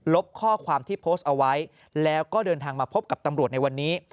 ข้อความที่โพสต์เอาไว้แล้วก็เดินทางมาพบกับตำรวจในวันนี้